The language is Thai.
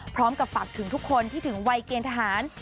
พร้อมกับฝากถึงทุกคนที่ถึงวัยเกณฑหาร